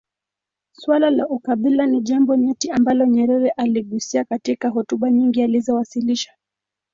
Suala la ukabila ni jambo nyeti ambalo nyerere aligusia katika hotuba nyingi alizowasilisha